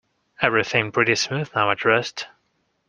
Everything pretty smooth now, I trust?